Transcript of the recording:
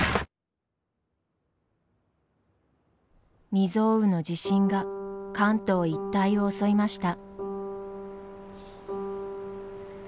未曽有の地震が関東一帯を襲いました。